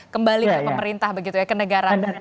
kembali ke pemerintah begitu ya ke negara